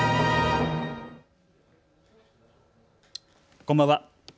こんばんは。